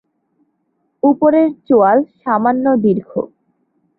উপরের চোয়াল সামান্য দীর্ঘ।